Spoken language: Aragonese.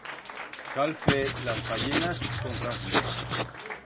Cal fer las fayenas con rasmia.